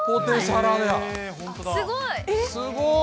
すごーい。